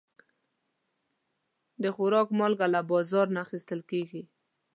د خوراک مالګه له بازار نه اخیستل کېږي.